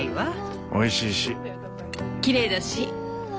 きれいだし。